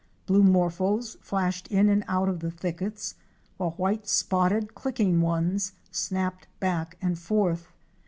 Blue Morphos flashed in and out of the thickets, while white spotted, clicking ones, snapped back and forth.